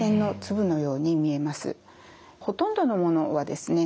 ほとんどのものはですね